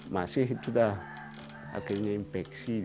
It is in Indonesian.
masih itu dah akhirnya infeksi dia